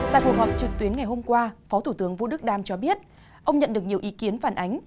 tại cuộc họp trực tuyến ngày hôm qua phó thủ tướng vũ đức đam cho biết ông nhận được nhiều ý kiến phản ánh